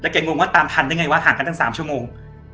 แกงงว่าตามทันได้ไงวะห่างกันตั้ง๓ชั่วโมง